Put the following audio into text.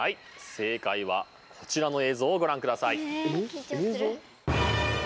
正解はこちらの映像をご覧ください。